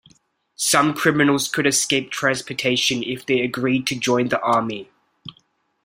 Some criminals could escape transportation if they agreed to join the army.